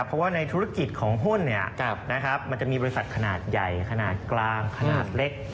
เพราะว่าในธุรกิจของหุ้นมันจะมีบริษัทขนาดใหญ่ขนาดกลางขนาดเล็ก